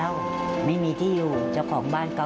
สวัสดีค่ะสวัสดีค่ะ